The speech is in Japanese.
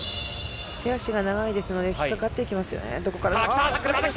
手足が長いのでどこからでも引っかかってきますよね。